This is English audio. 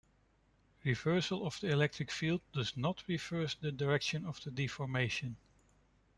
Reversal of the electric field does not reverse the direction of the deformation.